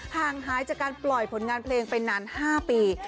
ห่างหายจากการปล่อยผลงานเพลงไปนาน๕ปี